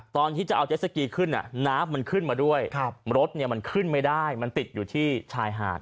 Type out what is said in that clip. ตอนที่จะเอาเจสสกีขึ้นน้ำมันขึ้นมาด้วยรถมันขึ้นไม่ได้มันติดอยู่ที่ชายหาด